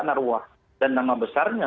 naruah dan nama besarnya